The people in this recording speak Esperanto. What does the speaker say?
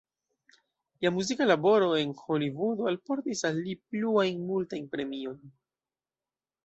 Lia muzika laboro en Holivudo alportis al li pluajn multajn premiojn.